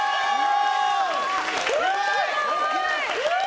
すごい！